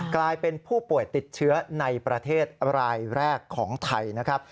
กลายเป็นผู้ป่วยติดเชื้อในประเทศรายแรกของไทยนะครับ